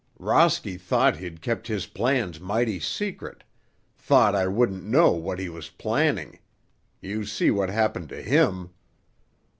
Rosky thought he'd kept his plans mighty secret—thought I wouldn't know what he was planning. You see what happened to him.